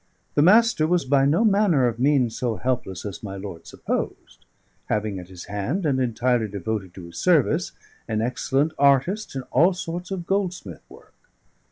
The Master was by no manner of means so helpless as my lord supposed, having at his hand, and entirely devoted to his service, an excellent artist in all sorts of goldsmith work.